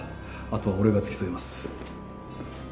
後は俺が付き添います。